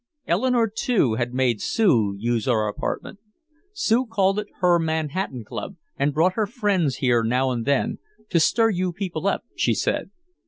Eleanore too had made Sue use our apartment. Sue called it her Manhattan club and brought her friends here now and then "to stir you people up," she said.